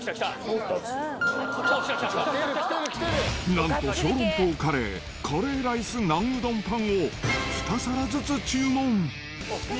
なんと小籠包カレー、カレーライスナンうどんパンを、２皿ずつ注文。